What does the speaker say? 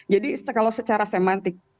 jadi kalau secara semantik